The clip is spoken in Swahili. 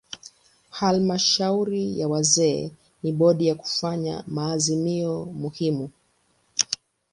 Halmashauri ya wazee ni bodi ya kufanya maazimio muhimu.